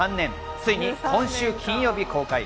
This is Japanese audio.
ついに今週金曜日公開。